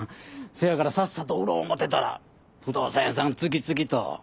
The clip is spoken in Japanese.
せやからさっさと売ろう思てたら不動産屋さん次々と。